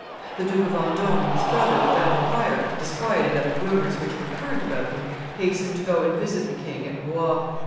The Duke of Vendome and his brother the Grand Prior, disquieted at the rumors which were current about them, hastened to go and visit the king at Blois.